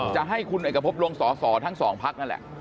จะให้คุณเอกพบลงสอสอทั้งสองพักนั่นแหละ